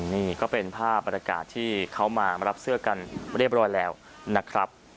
นี่ก็เป็นภาพบรรยากาศที่เขามารับเสื้อกันเรียบร้อยแล้วนะครับ